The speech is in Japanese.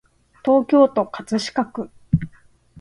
東京都葛飾区